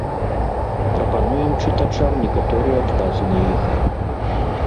Прапануем чытачам некаторыя адказы на іх.